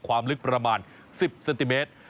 ความลึกประมาณ๑๐เซนติเมตร